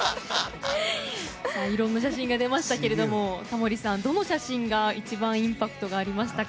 いろんな写真が出ましたけどタモリさん、どの写真が一番インパクトがありましたか？